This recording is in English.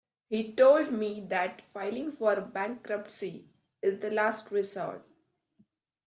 He told me that filing for bankruptcy is the last resort.